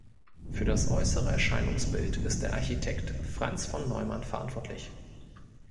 Für das äußere Erscheinungsbild ist der Architekt Franz von Neumann verantwortlich.